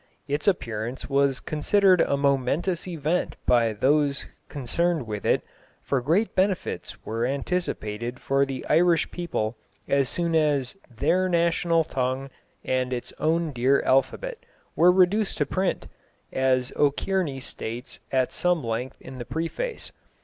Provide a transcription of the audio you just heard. Its appearance was considered a momentous event by those concerned with it, for great benefits were anticipated for the Irish people as soon as "their national tongue and its own dear alphabet" were reduced to print, as O'Kearney states at some length in the preface.